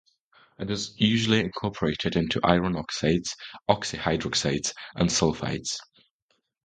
It is usually incorporated into iron oxides, oxyhydroxides and sulfides.